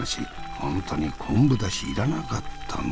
本当に昆布出汁要らなかったの？